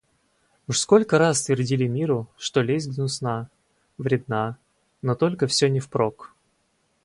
Уж сколько раз твердили миру, что лесть гнусна, вредна; но только всё не впрок